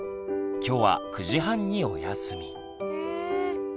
今日は９時半におやすみ。